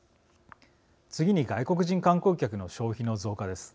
次に外国人観光客の消費の増加です。